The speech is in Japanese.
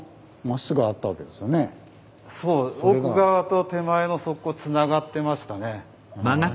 そう奥側と手前の側溝つながってましたね。